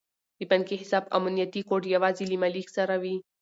د بانکي حساب امنیتي کوډ یوازې له مالیک سره وي.